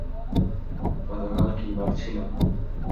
গতকাল কী বার ছিল?